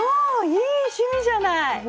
いい趣味じゃない！